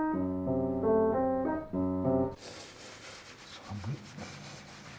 寒い。